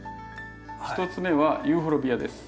１つ目はユーフォルビアです。